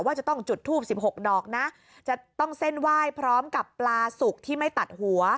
จะต้องจุดทูบ๑๖ดอกนะจะต้องเส้นไหว้พร้อมกับปลาสุกที่ไม่ตัดหัว